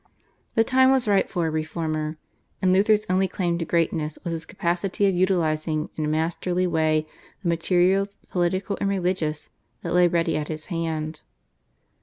The time was ripe for a reformer, and Luther's only claim to greatness was his capacity of utilising in a masterly way the materials, political and religious, that lay ready at his hand.